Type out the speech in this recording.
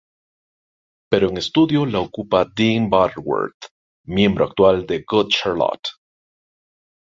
Pero en estudio la ocupa Dean Butterworth; miembro actual de Good Charlotte.